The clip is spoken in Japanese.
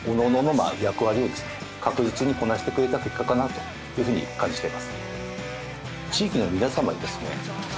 というふうに感じています。